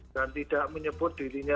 dan tidak menyebut dirinya